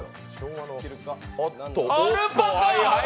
アルパカ！